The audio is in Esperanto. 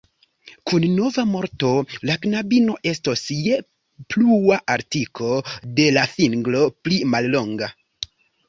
Kun nova morto la knabino estos je plua artiko de la fingro pli mallonga.